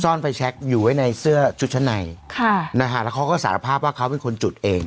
ไฟแชคอยู่ไว้ในเสื้อชุดชั้นในค่ะนะฮะแล้วเขาก็สารภาพว่าเขาเป็นคนจุดเอง